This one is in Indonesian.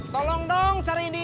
tolong dong cari di internet